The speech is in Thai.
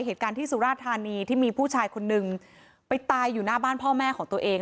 เหตุการณ์ที่สุราธานีที่มีผู้ชายคนนึงไปตายอยู่หน้าบ้านพ่อแม่ของตัวเอง